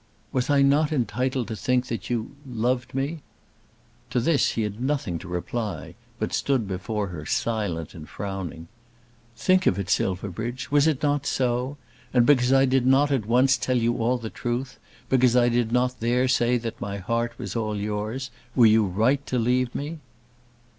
"Was I not entitled to think that you loved me?" To this he had nothing to reply, but stood before her silent and frowning. "Think of it, Silverbridge. Was it not so? And because I did not at once tell you all the truth, because I did not there say that my heart was all yours, were you right to leave me?"